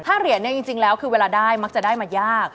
ถ้าเหรียญเนี่ยจริงแล้วคือเวลาได้มักจะได้มายาก